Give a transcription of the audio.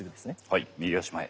はい右足前。